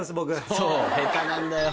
そう下手なんだよ。